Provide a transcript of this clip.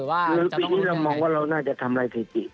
ปีที่นี้เรามองว่าเราน่าจะทำไรไม่จีบที่เกมเบ้า